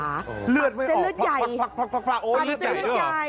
อักเสบเลือดใหญ่ปากเสบเลือดใหญ่ใช่เหรอปากเสบเลือดใหญ่